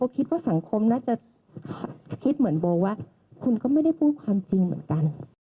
คิดว่าสังคมน่าจะคิดเหมือนโบว่าคุณก็ไม่ได้พูดความจริงเหมือนกัน